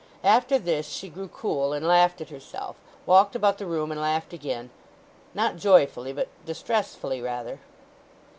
After this she grew cool and laughed at herself, walked about the room, and laughed again; not joyfully, but distressfully rather.